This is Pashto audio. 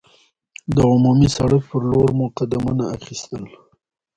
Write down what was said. د عمومي سړک پر لور مو قدمونه اخیستل.